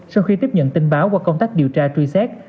sau khi tiếp nhận tin báo qua công tác điều tra truy xét